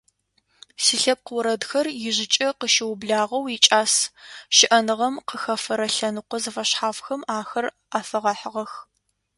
Силъэпкъ орэдхэр ижъыкӏэ къыщыублагъэу икӏас, щыӏэныгъэм къыхэфэрэ лъэныкъо зэфэшъхьафхэм ахэр афэгъэхьыгъэх.